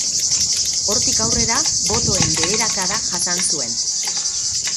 Hortik aurrera, botoen beherakada jasan zuen.